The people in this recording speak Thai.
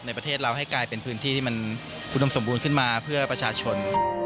ประเทศเราให้กลายเป็นพื้นที่ที่มันอุดมสมบูรณ์ขึ้นมาเพื่อประชาชน